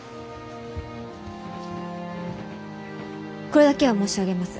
これだけは申し上げます。